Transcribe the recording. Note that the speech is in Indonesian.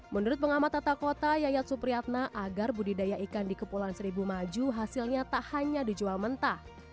menurut pengamat tata kota yayat supriyatna agar budidaya ikan di kepulauan seribu maju hasilnya tak hanya dijual mentah